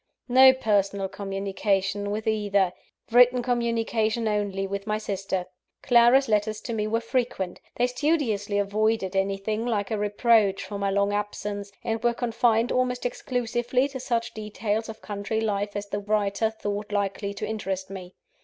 No personal communication with either written communication only with my sister. Clara's letters to me were frequent. They studiously avoided anything like a reproach for my long absence; and were confined almost exclusively to such details of country life as the writer thought likely to interest me.